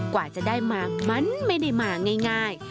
กว่าจะได้มามันไม่ได้มาง่าย